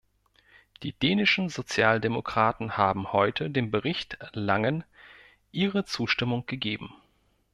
Die dänischen Sozialdemokraten haben heute dem Bericht Langen ihre Zustimmung gegeben.